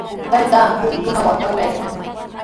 Taytaami huk runawan parlaykan.